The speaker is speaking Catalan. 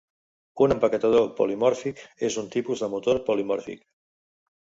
Un empaquetador polimòrfic és un tipus de motor polimòrfic.